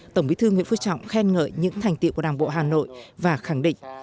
tổng bí thư nguyễn phú trọng khen ngợi những thành tiệu của đảng bộ hà nội và khẳng định